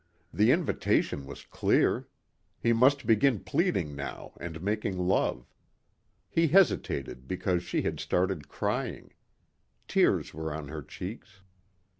The invitation was clear. He must begin pleading now and making love. He hesitated because she had started crying. Tears were on her cheeks.